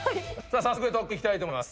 早速特訓いきたいと思います。